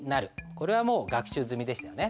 これはもう学習済みでしたよね。